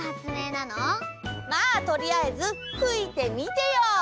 まあとりあえずふいてみてよ！